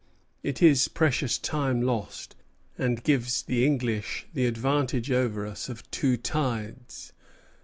It is precious time lost, and gives the English the advantage over us of two tides.